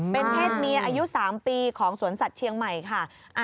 เป็นเพศเมียอายุ๓ปีของสวนสัตว์เชียงใหม่ค่ะ